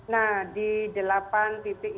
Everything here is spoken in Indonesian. nah di delapan titik